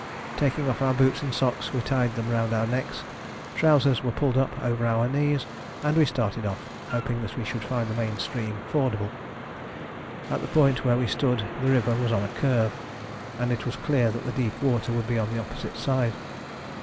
Taking off our boots and socks we tied them round our necks; trousers were pulled up over our knees, and we started off, hoping that we should find the main stream fordable. At the point where we stood the river was on a curve, and it was clear that the deep water would be on the opposite side.